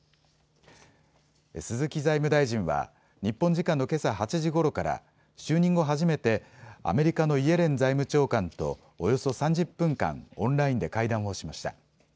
鈴木財務大臣は日本時間のけさ８時ごろから就任後初めてアメリカのイエレン財務長官とおよそ３０分間、オンラインで会談をしました。